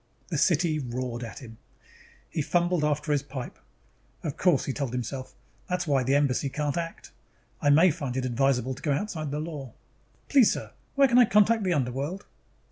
The city roared at him. He fumbled after his pipe. Of course, he told himself, _that's why the Embassy can't act. I may find it advisable to go outside the law. Please, sir, where can I contact the underworld?